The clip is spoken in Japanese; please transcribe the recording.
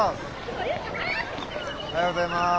おはようございます。